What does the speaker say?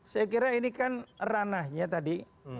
saya kira ini kan ranahnya tadi